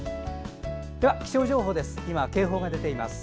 では気象情報です。